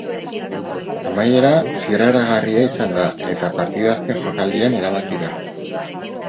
Amaiera zirraragarria izan da eta partida azken jokaldian erabaki da.